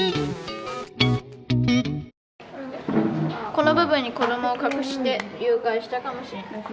この部分に子どもを隠して誘拐したかもしれない。